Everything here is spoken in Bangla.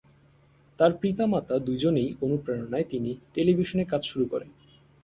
তার পিতা মাতা দুজনেই অনুপ্রেরণায় তিনি টেলিভিশনে কাজ শুরু করেন।